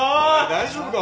大丈夫か？